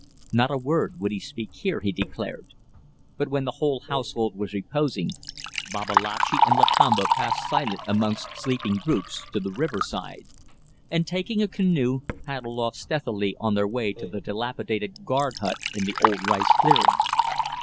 Not a word would he speak here, he declared. But when the whole household was reposing, Babalatchi and Lakamba passed silent amongst sleeping groups to the riverside, and, taking a canoe, paddled off stealthily on their way to the dilapidated guard hut in the old rice clearing.